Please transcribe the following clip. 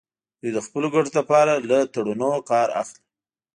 دوی د خپلو ګټو لپاره له تړونونو کار اخلي